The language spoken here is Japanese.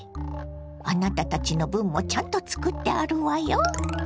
あなたたちの分もちゃんと作ってあるわよ。